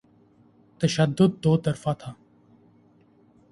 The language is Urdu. تشدد دوطرفہ تھا۔